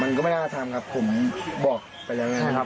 ก็ไม่น่าทำครับผมบอกไปแล้วนะครับ